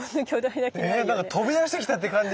なんか飛び出してきたって感じですよね。